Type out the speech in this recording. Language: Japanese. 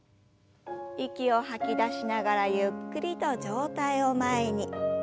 息を吐き出しながらゆっくりと上体を前に。